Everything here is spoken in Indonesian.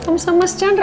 kamu sama mas chandra